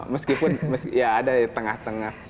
meskipun ya ada di tengah tengah